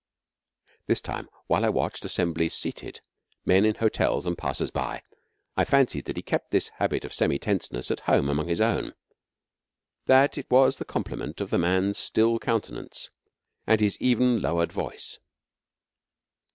This time while I watched assemblies seated, men in hotels and passers by, I fancied that he kept this habit of semi tenseness at home among his own; that it was the complement of the man's still countenance, and his even, lowered voice.